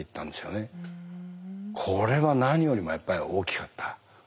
これは何よりもやっぱり大きかった。